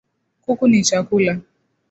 Kuku ni chakula